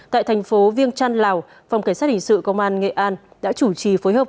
tại thành phố viêng trăn lào phòng cảnh sát hình sự công an nghệ an đã chủ trì phối hợp